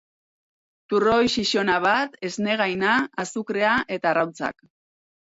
Turroi xixona bat, esnegaina, azukrea eta arrautzak.